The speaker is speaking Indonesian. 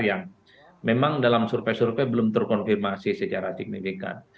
yang memang dalam survei survei belum terkonfirmasi secara signifikan